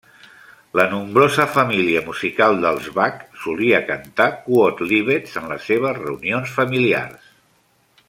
La nombrosa família musical dels Bach solia cantar quòdlibets en les seves reunions familiars.